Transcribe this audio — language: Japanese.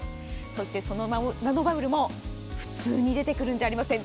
そして、そのナノバブルも普通に出てくるんじゃありません。